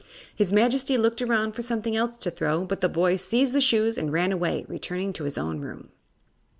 His Majesty looked around for something else to throw, but the boy seized the shoes and ran away, returning to his own room.